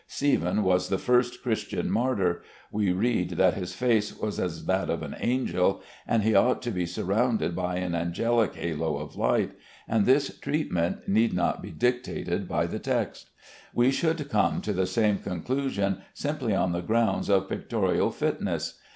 Stephen was the first Christian martyr. We read that his face was as that of an angel, and he ought to be surrounded by an angelic halo of light, and this treatment need not be dictated by the text. We should come to the same conclusion simply on the grounds of pictorial fitness.